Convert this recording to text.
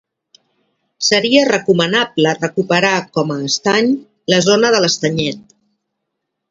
Seria recomanable recuperar com a estany la zona de l'Estanyet.